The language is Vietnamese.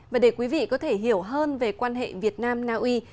và để quý vị có thể hiểu hơn về quan hệ việt nam naui